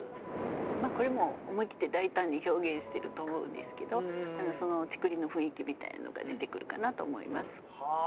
これもう思い切って大胆に表現してると思うんですけどその竹林の雰囲気みたいなのが出てくるかなと思います。